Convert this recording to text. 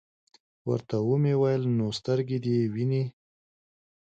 ورته ومي ویل : نو سترګي دي وینې ؟